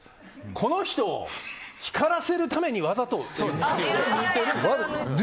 この人を光らせるためにわざと。